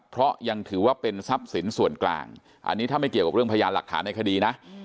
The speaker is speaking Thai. เพราะยังถือว่าเป็นทรัพย์สินส่วนกลางอันนี้ถ้าไม่เกี่ยวกับเรื่องพยานหลักฐานในคดีนะ